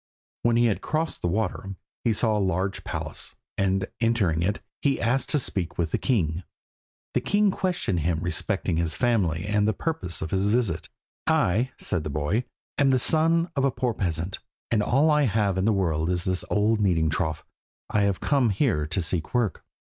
When he had crossed the water, he saw a large palace, and entering it, he asked to speak with the king. The king questioned him respecting his family and the purpose of his visit. "I," said the boy, "am the son of a poor peasant, and all I have in the world is an old kneading trough. I have come here to seek work."